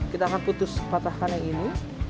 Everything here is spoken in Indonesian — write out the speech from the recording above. kita akan putus patahkan yang ini